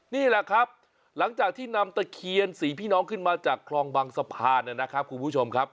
นี่แหละครับหลังจากที่นำตะเคียนสี่พี่น้องขึ้นมาจากคลองบางสะพานนะครับคุณผู้ชมครับ